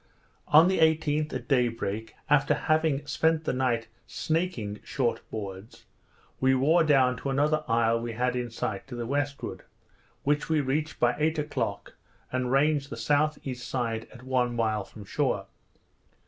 On the 18th, at day break, after having spent the night snaking short boards, we wore down to another isle we had in sight to the westward, which we reached by eight o'clock, and ranged the S.E. side at one mile from shore.